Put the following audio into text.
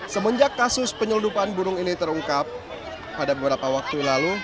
semenjak kasus penyelundupan burung ini terungkap pada beberapa waktu lalu